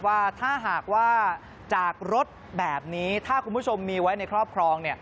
ว่าถ้าหากว่าจากรถแบบนี้ถ้าคุณผู้ชมมีไว้ในครอบครอง